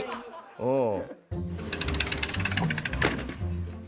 うん。